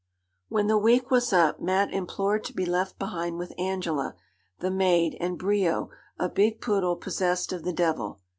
When the week was up Mat implored to be left behind with Angela, the maid, and Brio, a big poodle possessed of the devil.